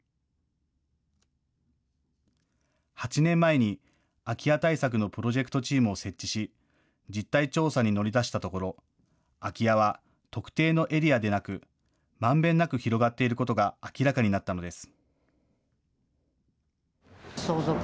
８年前に空き家対策のプロジェクトチームを設置し実態調査に乗り出したところ空き家は特定のエリアでなくまんべんなく広がっていることが明らかになったのです。